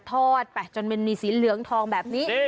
ทอดไปจนมันมีสีเหลืองทองแบบนี้